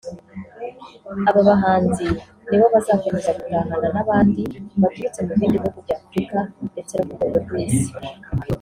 Aba bahanzi nibo bazakomeza guhatana n’abandi baturutse mubindi bihungu by’Afurika ndetse no ku rwego rw’Isi